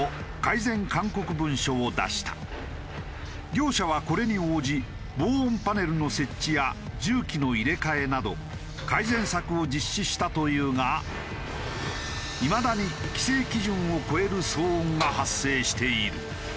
業者はこれに応じ防音パネルの設置や重機の入れ替えなど改善策を実施したというがいまだに規制基準を超える騒音が発生している。